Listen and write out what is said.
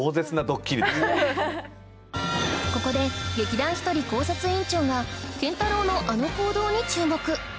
ここで劇団ひとり考察委員長が健太郎のあの行動に注目